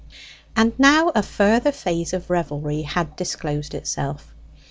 And now a further phase of revelry had disclosed itself.